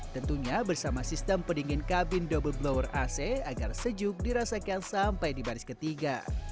tentunya bersama sistem pendingin kabin double blower ac agar sejuk dirasakan sampai di baris ketiga